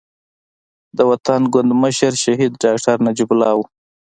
د وطن ګوند کې مشر شهيد ډاکټر نجيب الله وو.